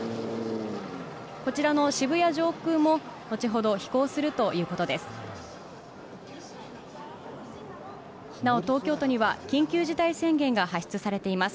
こちらの渋谷上空も、後ほど飛行するということです。